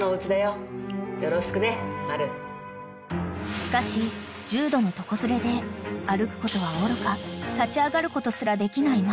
［しかし重度の床ずれで歩くことはおろか立ち上がることすらできないマル］